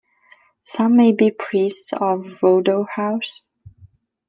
Some may be priests of a Vodou house.